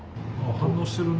反応してるね。